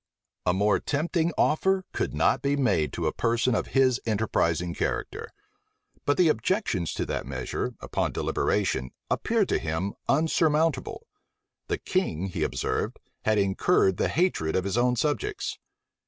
A more tempting offer could not be made to a person of his enterprising character: but the objections to that measure, upon deliberation, appeared to him unsurmountable. The king, he observed, had incurred the hatred of his own subjects.